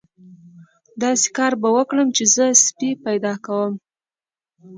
داسې کار به وکړو چې زه سپی پیدا کوم.